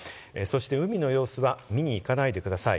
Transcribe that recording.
海の様子は見に行かないでください。